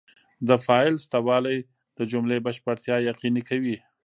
د فاعل سته والى د جملې بشپړتیا یقیني کوي.